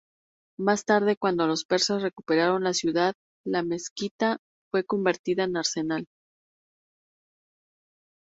Más tarde, cuando los persas recuperaron la ciudad, la mezquita fue convertida en arsenal.